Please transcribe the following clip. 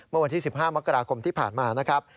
เมื่อวันที่๑๕มกราคมที่ผ่านมานะครับ